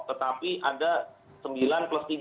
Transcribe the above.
tetapi ada sembilan plus tiga